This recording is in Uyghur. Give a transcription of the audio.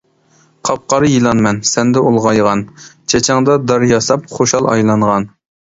قاپقارا يىلانمەن سەندە ئۇلغايغان، چېچىڭدا دار ياساپ خۇشال ئايلانغان.